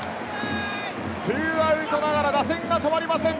２アウトながら、打線が止まりません！